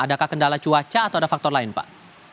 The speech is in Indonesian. adakah kendala cuaca atau ada faktor lain pak